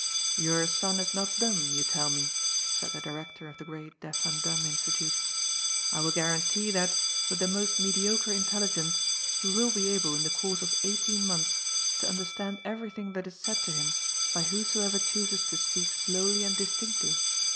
"Your son is not dumb, you tell me?" said the director of the great deaf and dumb institute. "I will guarantee that, with the most mediocre intelligence, he will be able in the course of eighteen months to understand everything that is said to him by whosoever chooses to speak slowly and distinctly.